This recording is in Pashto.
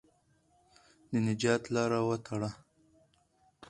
د نجات لاره وتړه.